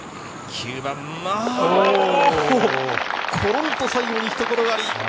コロンと最後にひと転がり。